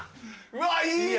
うわいい！